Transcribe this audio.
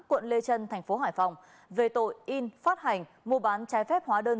quận lê trân thành phố hải phòng về tội in phát hành mua bán trái phép hóa đơn